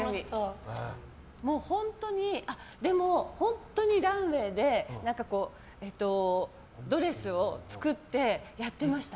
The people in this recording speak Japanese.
もう本当にランウェーでドレスを作ってやってました。